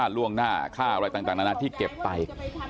ช่วงหน้าข้าวอะไรต่างที่เก็บไป